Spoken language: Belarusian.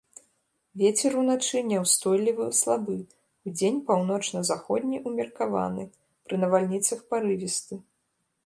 Вецер уначы няўстойлівы слабы, удзень паўночна-заходні ўмеркаваны, пры навальніцах парывісты.